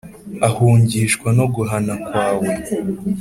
Ahungishwa no guhana kwawe